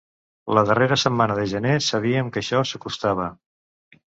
La darrera setmana de gener sabíem que això s’acostava.